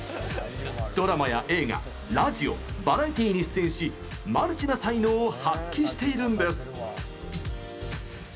ドラマや映画ラジオ、バラエティーに出演しマルチな才能を発揮しているんです。